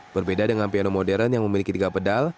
berbeda dengan piano modern yang memiliki tiga pedal